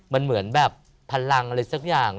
มันเหมือนแบบพลังอะไรสักอย่าง